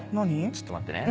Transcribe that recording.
ちょっと待ってね。